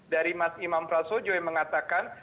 dari mas imam prasojo yang mengatakan